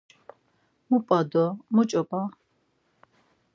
Mu p̌a do muç̌o p̌a?